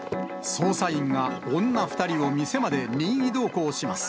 捜査員が女２人を店まで任意同行します。